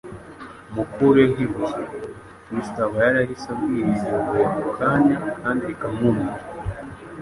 Mukureho ibuye". Kristo aba yarahise abwira iryo buye ako kanya Kandi rikamwumvira.